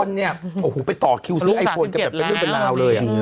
เนี่ยโอ้โหไปต่อคิวซื้อไอโฟนกันแบบเป็นเรื่องเป็นราวเลย